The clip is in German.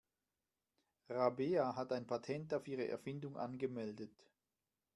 Rabea hat ein Patent auf ihre Erfindung angemeldet.